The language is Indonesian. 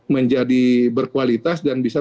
menjadi berkualitas dan bisa